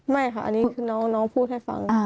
ไม่ค่ะอันนี้คือน้องพูดให้ฟัง